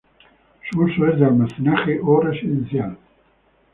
Su uso es de almacenaje o residencial.